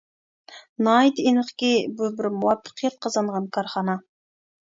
ناھايىتى ئېنىقكى، بۇ بىر مۇۋەپپەقىيەت قازانغان كارخانا.